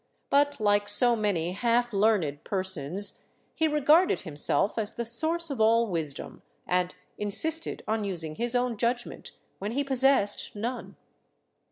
But like so many half learned persons, he regarded him self as the source of all wisdom and insisted on using his own judg ment, when he possessed none.